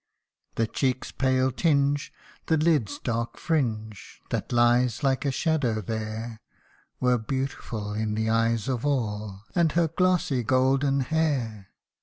The cheek's pale tinge, the lid's dark fringe, That lies like a shadow there, Were beautiful in the eyes of all And her glossy golden hair